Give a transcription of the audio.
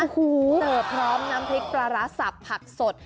เสิร์ฟพร้อมน้ำพริกปลาร้าสับผักสด